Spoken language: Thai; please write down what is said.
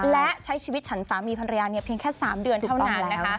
และใช้ชีวิตฉันสามีภรรยาเพียงแค่๓เดือนเท่านั้นนะคะ